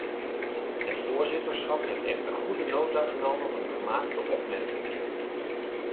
Het voorzitterschap heeft echter goede nota genomen van de gemaakte opmerkingen.